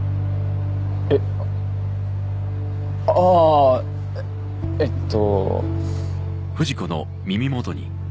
えっ？ああえっと